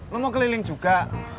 lo mau keliling juga